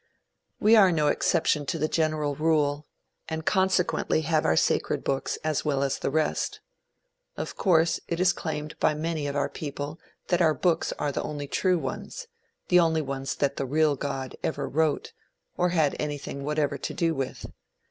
We are no exception to the general rule, and consequently have our sacred books as well as the rest. Of course, it is claimed by many of our people that our books are the only true ones, the only ones that the real God ever wrote, or had anything whatever to do with.